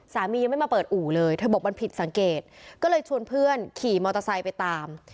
ยังไม่มาเปิดอู่เลยเธอบอกมันผิดสังเกตก็เลยชวนเพื่อนขี่มอเตอร์ไซค์ไปตาม